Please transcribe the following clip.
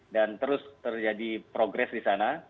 dan terus terjadi progres di sana